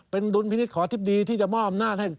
เป็นดุลพินิษฐขออธิบดีที่จะมอบอำนาจให้